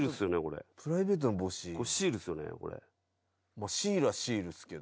まあシールはシールっすけど。